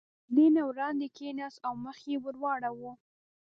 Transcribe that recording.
له دوی نه وړاندې کېناست او مخ یې ور واړاوه.